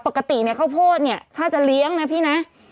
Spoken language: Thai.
ปกติข้าวโพดถ้าจะเลี้ยงนะพี่นะ